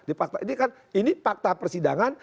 ini kan fakta persidangan